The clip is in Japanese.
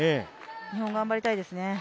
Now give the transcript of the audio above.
日本、頑張りたいですね。